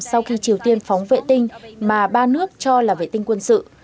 sau khi triều tiên phóng vệ tinh mà ba nước cho là vệ tinh quân sự